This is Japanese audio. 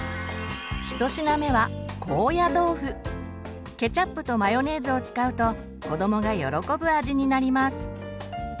１品目はケチャップとマヨネーズを使うと子どもが喜ぶ味になります。